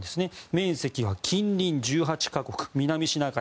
面積は近隣１８か国南シナ海